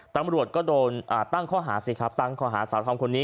ตำรวจก็โดนตั้งข้อหาสิครับตั้งข้อหาสาวธอมคนนี้